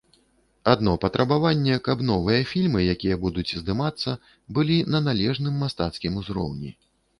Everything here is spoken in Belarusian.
Адно патрабаванне, каб новыя фільмы, якія будуць здымацца, былі на належным мастацкім узроўні.